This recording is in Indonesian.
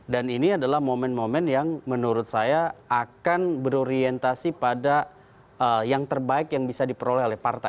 dan ini adalah momen momen yang menurut saya akan berorientasi pada yang terbaik yang bisa diperoleh oleh partai